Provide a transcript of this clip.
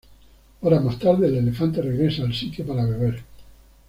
Horas más tarde el elefante regresa al sitio para beber.